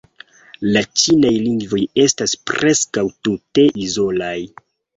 La ĉinaj lingvoj estas preskaŭ tute izolaj.